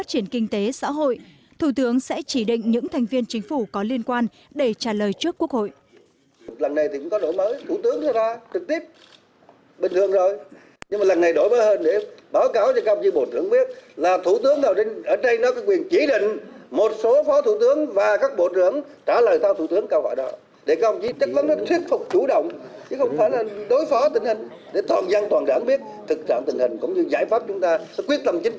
để toàn dân toàn đảng biết thực trạng tình hình cũng như giải pháp chúng ta sẽ quyết tâm chính trị chúng ta trong quản lý chỉ đạo sau